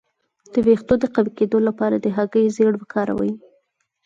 د ویښتو د قوي کیدو لپاره د هګۍ ژیړ وکاروئ